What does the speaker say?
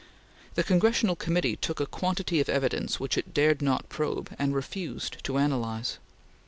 The Congressional Committee took a quantity of evidence which it dared not probe, and refused to analyze.